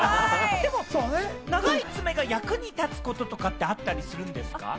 長い爪が役に立つことってあったりするんですか？